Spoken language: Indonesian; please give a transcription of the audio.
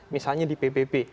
misalnya di pbb